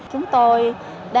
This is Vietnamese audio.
chúng tôi đang mô tả